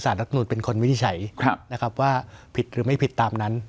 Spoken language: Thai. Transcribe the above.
รัฐมนุนเป็นคนวินิจฉัยนะครับว่าผิดหรือไม่ผิดตามนั้น